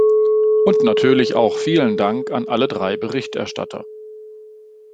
Und natürlich auch vielen Dank an alle drei Berichterstatter.